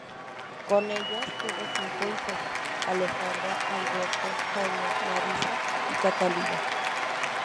Con ellas tuvo cinco hijos: Alejandra, Alberto, Jaime, Marisa y Catalina.